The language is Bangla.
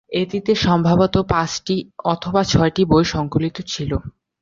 এটিতে সম্ভবত পাঁচটি অথবা ছয়টি বই সংকলিত ছিল।